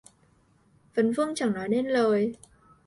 Vấn vương chẳng nói nên lời